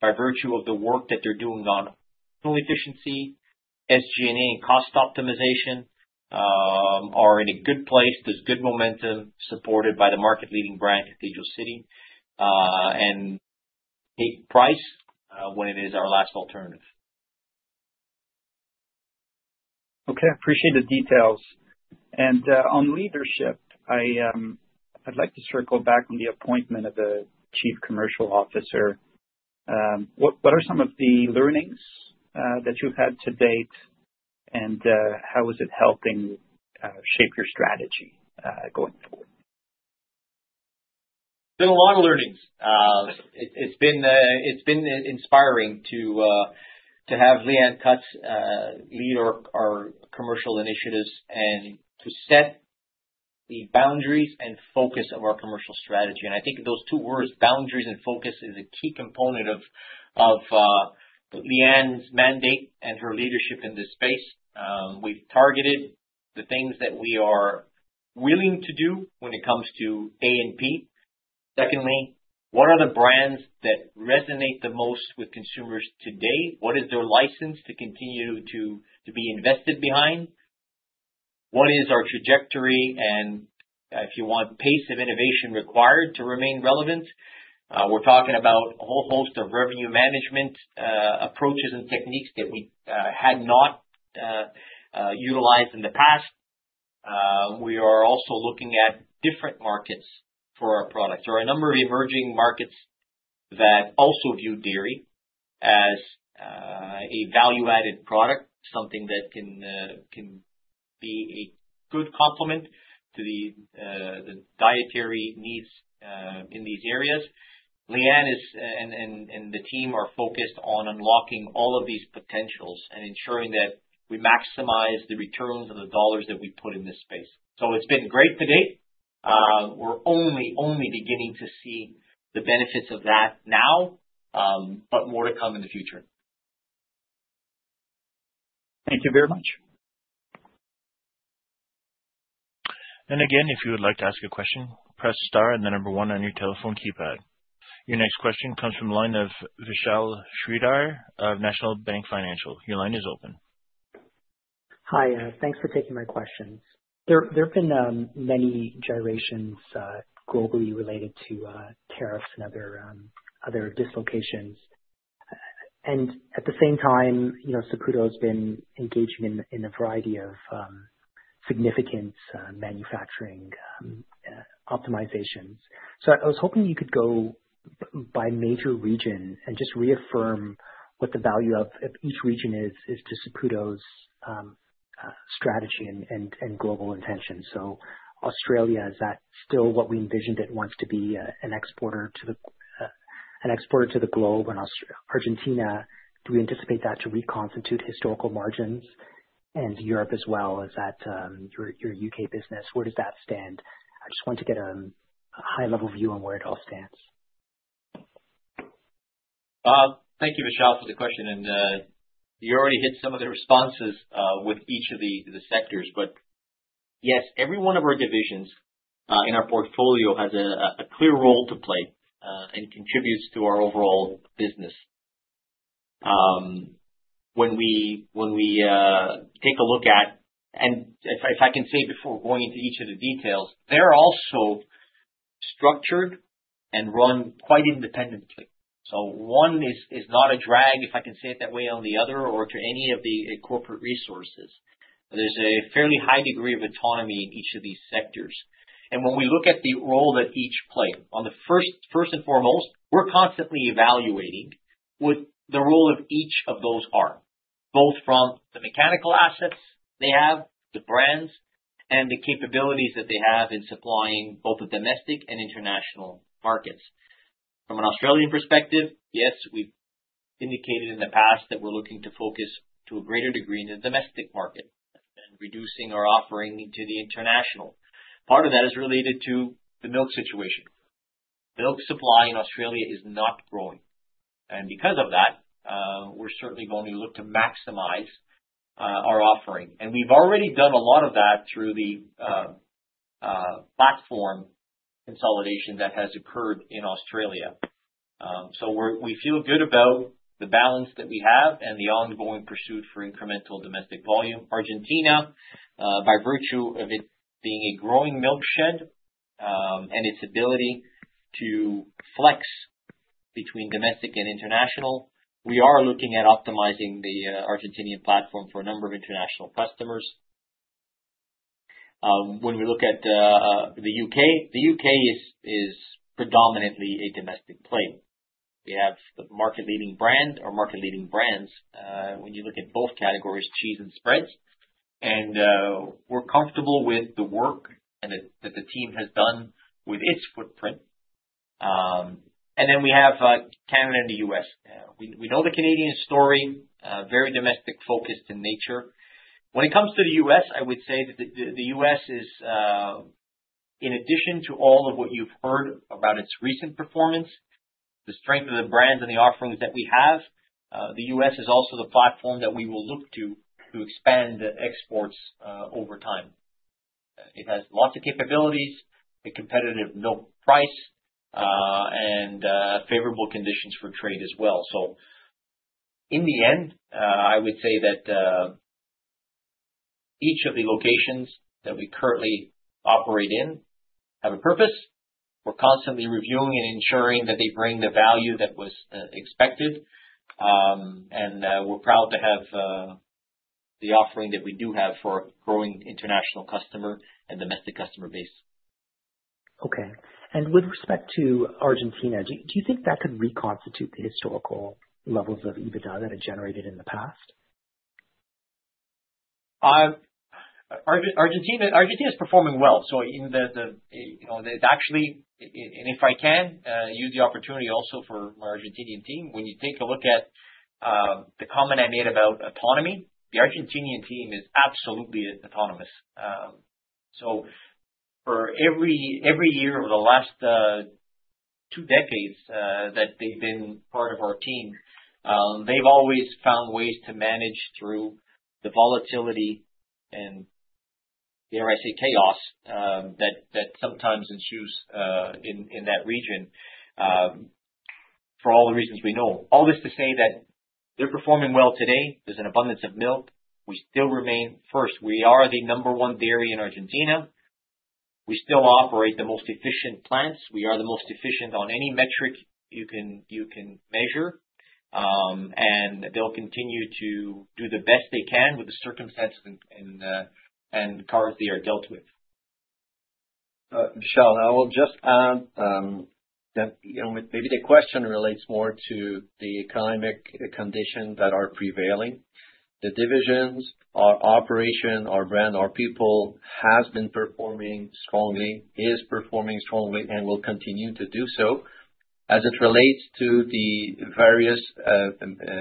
by virtue of the work that they're doing on fuel efficiency, SG&A, and cost optimization, are in a good place. There's good momentum supported by the market-leading brand, Cathedral City. And take price when it is our last alternative. Okay. I appreciate the details. On leadership, I'd like to circle back on the appointment of the Chief Commercial Officer. What are some of the learnings that you've had to date, and how is it helping shape your strategy going forward? There's been a lot of learnings. It's been inspiring to have Leanne Cutts lead our commercial initiatives and to set the boundaries and focus of our commercial strategy. I think those two words, boundaries and focus, is a key component of Leanne's mandate and her leadership in this space. We've targeted the things that we are willing to do when it comes to A&P. Secondly, what are the brands that resonate the most with consumers today? What is their license to continue to be invested behind? What is our trajectory and, if you want, pace of innovation required to remain relevant? We're talking about a whole host of revenue management approaches and techniques that we had not utilized in the past. We are also looking at different markets for our products. There are a number of emerging markets that also view dairy as a value-added product, something that can be a good complement to the dietary needs in these areas. Leanne and the team are focused on unlocking all of these potentials and ensuring that we maximize the returns of the dollars that we put in this space. So it's been great to date. We're only beginning to see the benefits of that now, but more to come in the future. Thank you very much. And again, if you would like to ask a question, press star and the number one on your telephone keypad. Your next question comes from the line of Vishal Shreedhar of National Bank Financial. Your line is open. Hi. Thanks for taking my questions. There have been many gyrations globally related to tariffs and other dislocations. And at the same time, Saputo has been engaging in a variety of significant manufacturing optimizations. So I was hoping you could go by major region and just reaffirm what the value of each region is to Saputo's strategy and global intentions. So Australia, is that still what we envisioned it wants to be an exporter to the globe? And Argentina, do we anticipate that to reconstitute historical margins? And Europe as well, is that your U.K. business? Where does that stand? I just want to get a high-level view on where it all stands. Thank you, Vishal, for the question, and you already hit some of the responses with each of the sectors. But yes, every one of our divisions in our portfolio has a clear role to play and contributes to our overall business. When we take a look at and, if I can say, before going into each of the details, they're also structured and run quite independently. So one is not a drag, if I can say it that way, on the other or to any of the corporate resources. There's a fairly high degree of autonomy in each of these sectors. And when we look at the role that each play, first and foremost, we're constantly evaluating what the role of each of those are, both from the mechanical assets they have, the brands, and the capabilities that they have in supplying both the domestic and international markets. From an Australian perspective, yes, we've indicated in the past that we're looking to focus to a greater degree in the domestic market and reducing our offering to the international. Part of that is related to the milk situation. Milk supply in Australia is not growing. And because of that, we're certainly going to look to maximize our offering. And we've already done a lot of that through the platform consolidation that has occurred in Australia. So we feel good about the balance that we have and the ongoing pursuit for incremental domestic volume. Argentina, by virtue of it being a growing milkshed and its ability to flex between domestic and international, we are looking at optimizing the Argentinian platform for a number of international customers. When we look at the U.K., the U.K. is predominantly a domestic play. We have the market-leading brand or market-leading brands when you look at both categories, cheese and spreads, and we're comfortable with the work that the team has done with its footprint, and then we have Canada and the U.S. We know the Canadian story, very domestic-focused in nature. When it comes to the U.S., I would say that the U.S. is, in addition to all of what you've heard about its recent performance, the strength of the brands and the offerings that we have, the U.S. is also the platform that we will look to to expand exports over time. It has lots of capabilities, a competitive milk price, and favorable conditions for trade as well, so in the end, I would say that each of the locations that we currently operate in have a purpose. We're constantly reviewing and ensuring that they bring the value that was expected. We're proud to have the offering that we do have for a growing international customer and domestic customer base. Okay. With respect to Argentina, do you think that could reconstitute the historical levels of EBITDA that it generated in the past? Argentina is performing well. It's actually, and if I can use the opportunity also for my Argentine team, when you take a look at the comment I made about autonomy, the Argentine team is absolutely autonomous. For every year over the last two decades that they've been part of our team, they've always found ways to manage through the volatility and, dare I say, chaos that sometimes ensues in that region for all the reasons we know. All this to say that they're performing well today. There's an abundance of milk. We still remain first. We are the number one dairy in Argentina. We still operate the most efficient plants. We are the most efficient on any metric you can measure, and they'll continue to do the best they can with the circumstances and cards they are dealt with. Vishal, I will just add that maybe the question relates more to the economic conditions that are prevailing. The divisions, our operation, our brand, our people has been performing strongly, is performing strongly, and will continue to do so. As it relates to the various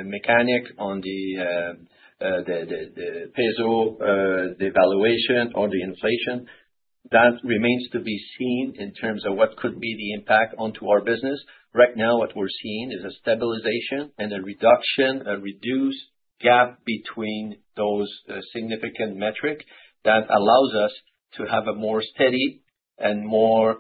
mechanics on the peso, the valuation, or the inflation, that remains to be seen in terms of what could be the impact onto our business. Right now, what we're seeing is a stabilization and a reduced gap between those significant metrics that allows us to have a more steady and more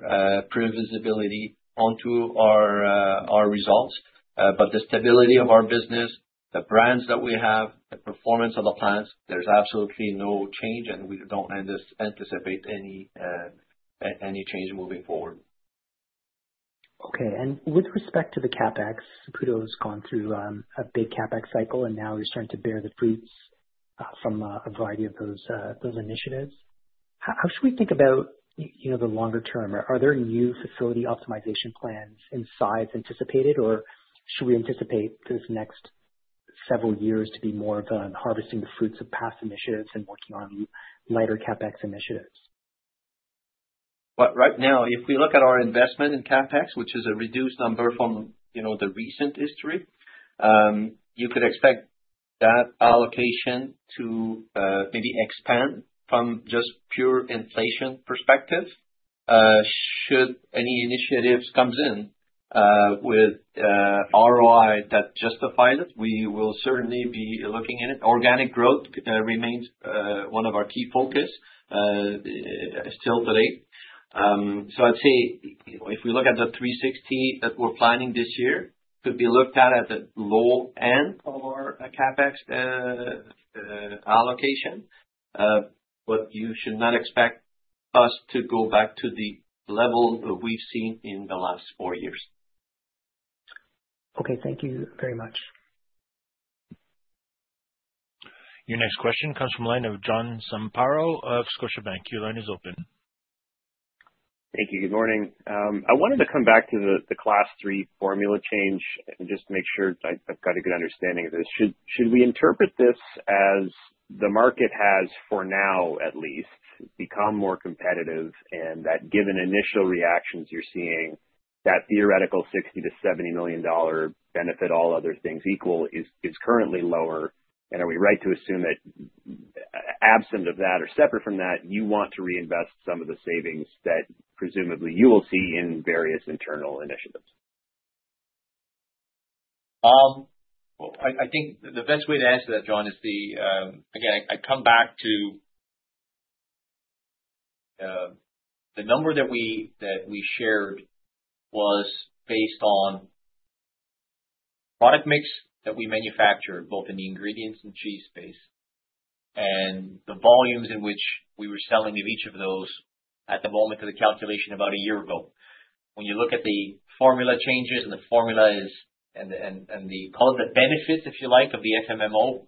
predictability onto our results. But the stability of our business, the brands that we have, the performance of the plants, there's absolutely no change, and we don't anticipate any change moving forward. Okay. And with respect to the CapEx, Saputo has gone through a big CapEx cycle, and now you're starting to bear the fruits from a variety of those initiatives. How should we think about the longer term? Are there new facility optimization plans in size anticipated, or should we anticipate this next several years to be more of a harvesting the fruits of past initiatives and working on lighter CapEx initiatives? Right now, if we look at our investment in CapEx, which is a reduced number from the recent history, you could expect that allocation to maybe expand from just pure inflation perspective. Should any initiatives come in with ROI that justifies it, we will certainly be looking at it. Organic growth remains one of our key focuses still today. So I'd say if we look at the 360 that we're planning this year, it could be looked at at the low end of our CapEx allocation. But you should not expect us to go back to the level we've seen in the last four years. Okay. Thank you very much. Your next question comes from the line of John Zamparo of Scotiabank. Your line is open. Thank you. Good morning. I wanted to come back to the Class III formula change and just make sure I've got a good understanding of this. Should we interpret this as the market has, for now at least, become more competitive and that given initial reactions you're seeing, that theoretical $60-$70 million benefit, all other things equal, is currently lower? Are we right to assume that absent of that or separate from that, you want to reinvest some of the savings that presumably you will see in various internal initiatives? I think the best way to answer that, John, is the, again, I come back to the number that we shared was based on product mix that we manufactured, both in the ingredients and cheese space, and the volumes in which we were selling of each of those at the moment of the calculation about a year ago. When you look at the formula changes and the formula is, and the, call it the benefits, if you like, of the FMMO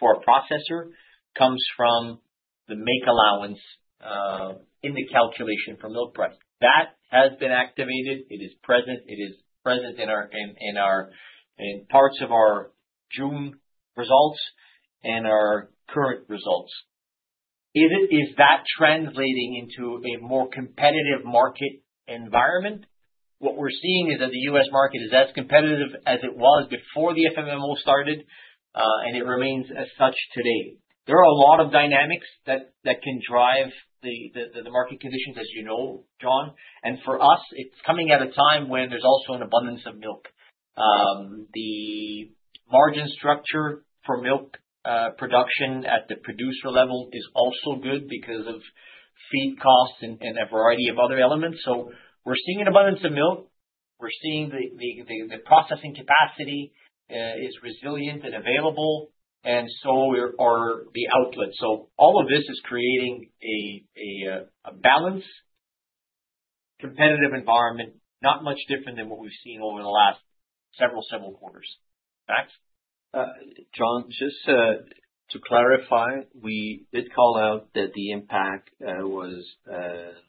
for a processor comes from the make allowance in the calculation for milk price. That has been activated. It is present. It is present in parts of our June results and our current results. Is that translating into a more competitive market environment? What we're seeing is that the U.S. market is as competitive as it was before the FMMO started, and it remains as such today. There are a lot of dynamics that can drive the market conditions, as you know, John. And for us, it's coming at a time when there's also an abundance of milk. The margin structure for milk production at the producer level is also good because of feed costs and a variety of other elements. So we're seeing an abundance of milk. We're seeing the processing capacity is resilient and available, and so are the outlets. So all of this is creating a balanced competitive environment, not much different than what we've seen over the last several quarters. Max. John, just to clarify, we did call out that the impact was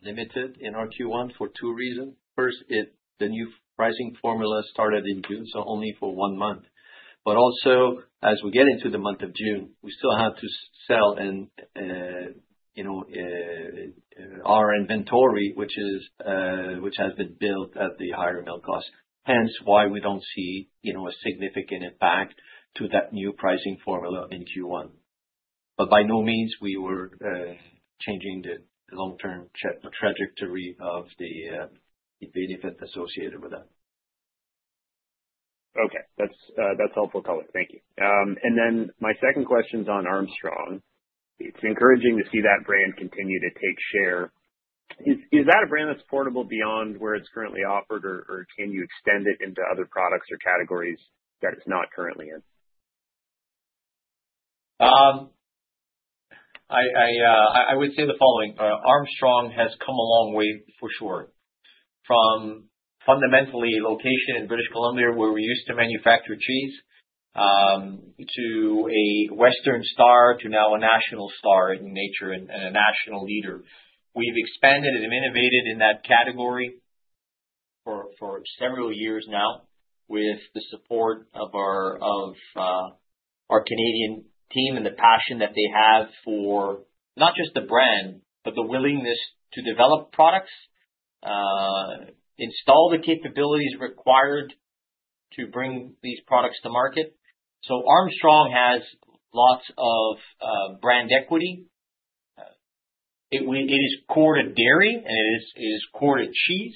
limited in our Q1 for two reasons. First, the new pricing formula started in June, so only for one month. But also, as we get into the month of June, we still have to sell our inventory, which has been built at the higher milk cost. Hence why we don't see a significant impact to that new pricing formula in Q1. But by no means were we changing the long-term trajectory of the benefit associated with that. Okay. That's helpful, color. Thank you. And then my second question is on Armstrong. It's encouraging to see that brand continue to take share. Is that a brand that's portable beyond where it's currently offered, or can you extend it into other products or categories that it's not currently in? I would say the following. Armstrong has come a long way for sure. From fundamentally a location in British Columbia where we used to manufacture cheese to a Western star to now a national star in nature and a national leader. We've expanded and innovated in that category for several years now with the support of our Canadian team and the passion that they have for not just the brand, but the willingness to develop products, install the capabilities required to bring these products to market. So Armstrong has lots of brand equity. It is core to dairy, and it is core to cheese.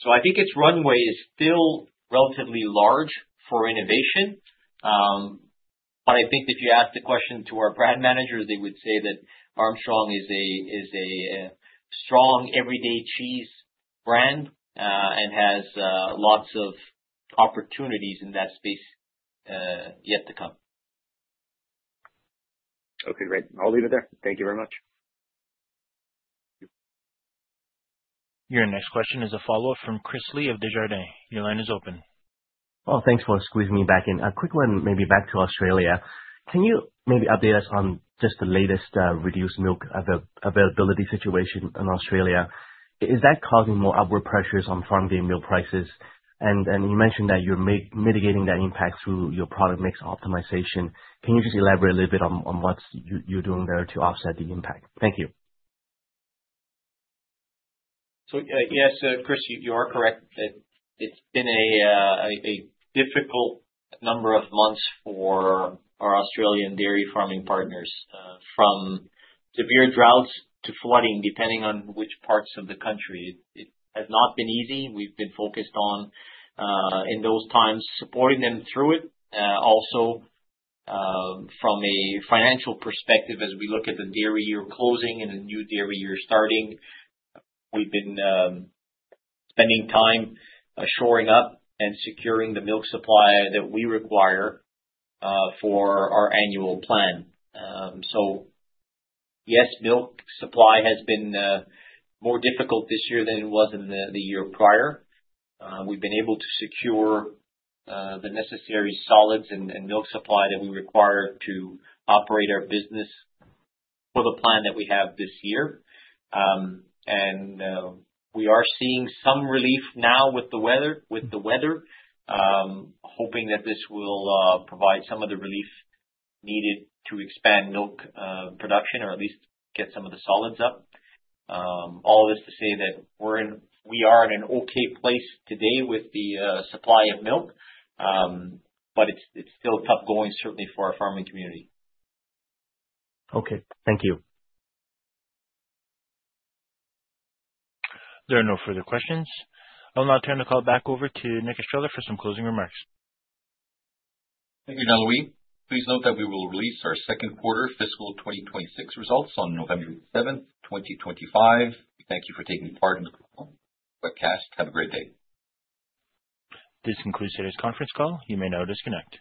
So I think its runway is still relatively large for innovation. But I think if you ask the question to our brand managers, they would say that Armstrong is a strong everyday cheese brand and has lots of opportunities in that space yet to come. Okay. Great. I'll leave it there. Thank you very much. Your next question is a follow-up from Chris Li of Desjardins. Your line is open. Well, thanks for squeezing me back in. A quick one, maybe back to Australia. Can you maybe update us on just the latest reduced milk availability situation in Australia? Is that causing more upward pressures on farmgate milk prices? And you mentioned that you're mitigating that impact through your product mix optimization. Can you just elaborate a little bit on what you're doing there to offset the impact? Thank you. So yes, Chris, you are correct. It's been a difficult number of months for our Australian dairy farming partners, from severe droughts to flooding, depending on which parts of the country. It has not been easy. We've been focused on, in those times, supporting them through it. Also, from a financial perspective, as we look at the dairy year closing and a new dairy year starting, we've been spending time shoring up and securing the milk supply that we require for our annual plan. So yes, milk supply has been more difficult this year than it was in the year prior. We've been able to secure the necessary solids and milk supply that we require to operate our business for the plan that we have this year. And we are seeing some relief now with the weather, hoping that this will provide some of the relief needed to expand milk production or at least get some of the solids up. All this to say that we are in an okay place today with the supply of milk, but it's still tough going, certainly, for our farming community. Okay. Thank you. There are no further questions. I'll now turn the call back over to Nick Estrela for some closing remarks. Thank you, Jean-Louis. Please note that we will release our second quarter fiscal 2026 results on November 7th, 2025. Thank you for taking part in the call. Goodbye. Have a great day. This concludes today's conference call. You may now disconnect.